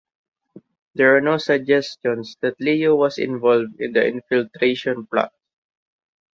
There are no suggestions that Liu was involved in the infiltration plot.